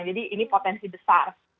jadi ini potensi besar